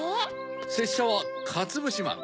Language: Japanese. せっしゃはかつぶしまん。